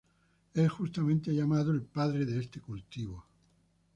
Es justamente llamado el padre de este cultivo.